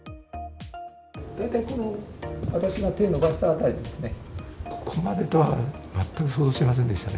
大体この、私が手伸ばした辺りですね。